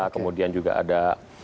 kemudian juga ada